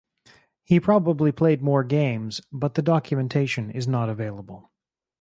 He probably played more games but the documentation is not available.